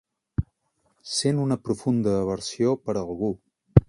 Sent una profunda aversió per algú.